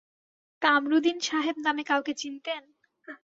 কামরুদিন সাহেব নামে কাউকে চিনতেন?